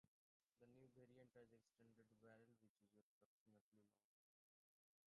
The new variant has extended barrel which is approximately long.